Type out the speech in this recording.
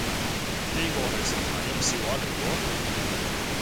呢個係食諧音笑話嚟喎？